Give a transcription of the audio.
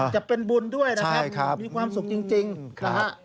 จะเป็นบุญด้วยนะครับมีความสุขจริงนะฮะ